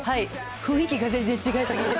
雰囲気が全然違い過ぎて。